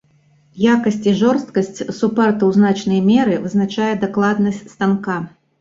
Якасць і жорсткасць супарта ў значнай меры вызначае дакладнасць станка.